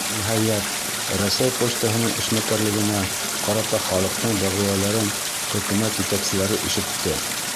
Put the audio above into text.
Ниһайәт, Рәсәй почтаһының эшмәкәрлегенә ҡарата халыҡтың дәғүәләрен Хөкүмәт етәкселәре ишетте!